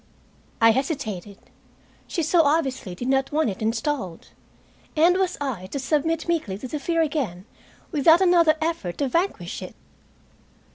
I hesitated. She so obviously did not want it installed. And was I to submit meekly to the fear again, without another effort to vanquish it?